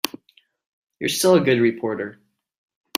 You're still a good reporter.